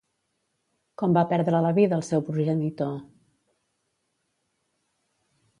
Com va perdre la vida el seu progenitor?